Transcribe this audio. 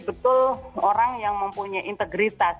betul orang yang mempunyai integritas